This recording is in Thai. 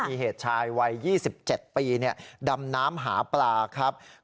มีเหตุชายวัย๒๗ปีดำน้ำหาปลาครับ